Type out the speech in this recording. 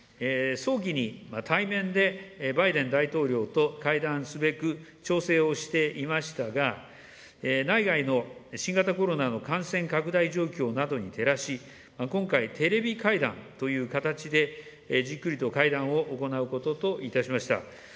早期に対面でバイデン大統領と会談すべく調整をしていましたが、内外の新型コロナの感染拡大状況などに照らし、今回、テレビ会談という形でじっくりと会談を行うことといたしました。